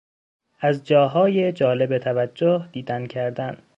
از جاهای جالب توجه دیدن کردن